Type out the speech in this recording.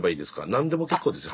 何でも結構ですよ